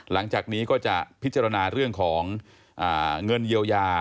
หลังจากนี้ก็จะพิจารณาเรื่องของเงินเยียวยา